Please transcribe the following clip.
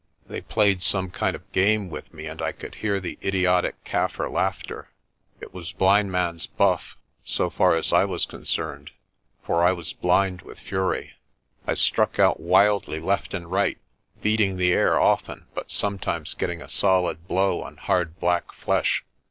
They played some kind of game with me and I could hear the idiotic Kaffir laughter. It was blindman's buff, so far as I was concerned, for I was blind with fury. I struck out wildly left and right, beating the air often, but sometimes getting a solid blow on hard black flesh.